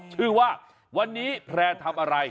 ชื่อว่าวันนี้แพร่ทำอะไร